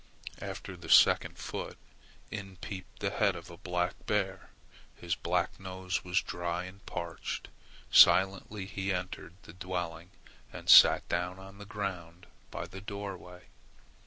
After the second foot, in peeped the head of a big black bear! His black nose was dry and parched. Silently he entered the dwelling and sat down on the ground by the doorway.